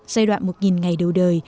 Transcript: giai đoạn một ngày đầu đời